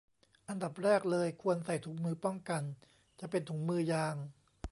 อันดับแรกเลยควรใส่ถุงมือป้องกัน จะเป็นถุงมือยาง